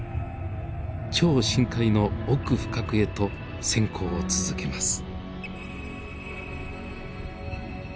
超深海の奥深くへと潜航を続けます。